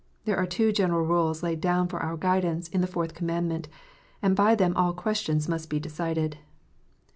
There are two general rules laid down for our guidance in the Fourth Commandment, and by them all questions must be decided.